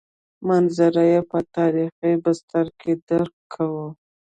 منظور یې په تاریخي بستر کې درک کوو.